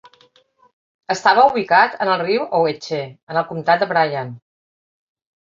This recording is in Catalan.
Estava ubicat en el riu Ogeechee, en el comtat de Bryan.